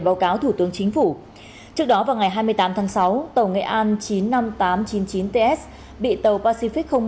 báo cáo thủ tướng chính phủ trước đó vào ngày hai mươi tám tháng sáu tàu nghệ an chín mươi năm nghìn tám trăm chín mươi chín ts bị tàu pacific